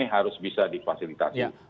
ini harus bisa difasilitasi